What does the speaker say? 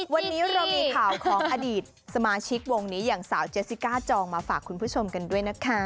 วันนี้เรามีข่าวของอดีตสมาชิกวงนี้อย่างสาวเจสสิก้าจองมาฝากคุณผู้ชมกันด้วยนะคะ